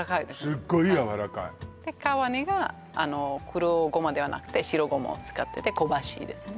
すっごいやわらかいで皮には黒ゴマではなくて白ゴマを使ってて香ばしいですね